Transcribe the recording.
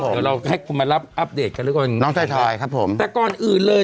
เดี๋ยวเราให้คุณมารับอัปเดตกันแล้วกันน้องชายไทยครับผมแต่ก่อนอื่นเลย